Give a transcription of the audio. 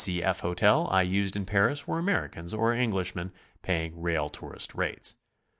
C. F. hotel I used in Paris were Americans or English men paying rail tourist rates.